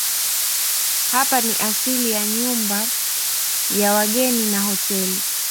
Hapa ni asili ya nyumba ya wageni na hoteli.